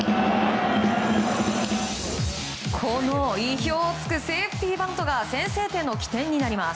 この意表を突くセーフティーバントが先制点の起点になります。